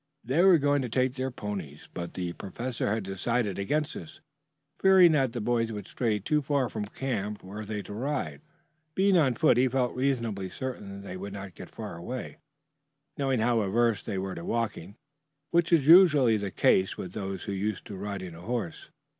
They were going to take their ponies, but the professor had decided against this, fearing that the boys would stray too far from camp were they to ride. Being on foot he felt reasonably certain that they would not get far away, knowing how averse they were to walking, which is usually the case with those used to riding a horse.